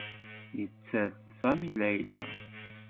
Yetter Sami Layla.